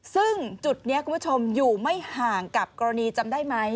ซึ่งจุดนี้คุณผู้ชมอยู่ไม่ห่างกับกรณีจำได้ไหม